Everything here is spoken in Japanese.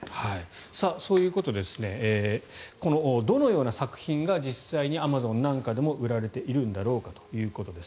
そういうことでどのような作品が実際にアマゾンなんかでも売られているんだろうかということです。